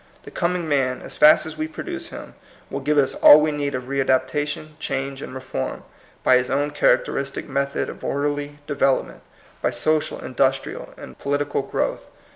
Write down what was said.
The com ing man, as fast as we produce him, will give us all we need of readaptation, change, and reform, by his own characteristic method of orderly development, by social, indus trial, and political growth.